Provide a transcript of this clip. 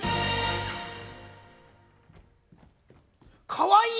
かわいい！